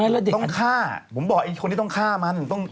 ต้องฆ่าผมบอกไอ้คนที่ต้องฆ่ามัน